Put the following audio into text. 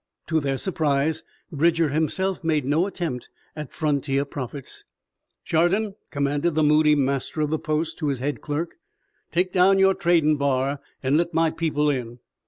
To their surprise, Bridger himself made no attempt at frontier profits. "Chardon," commanded the moody master of the post to his head clerk, "take down your tradin' bar an' let my people in.